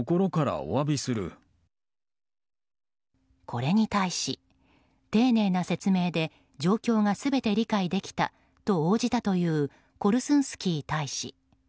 これに対し丁寧な説明で状況が全て理解できたと応じたというコルスンスキー大使。